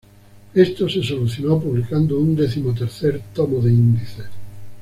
Esto se solucionó publicando un decimotercer tomo de índices.